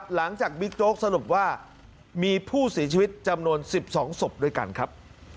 บิ๊กโจ๊กสรุปว่ามีผู้เสียชีวิตจำนวน๑๒ศพด้วยกันครับ